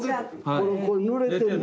これぬれてる。